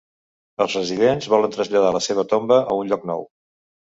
Els residents volen traslladar la seva tomba a un lloc nou.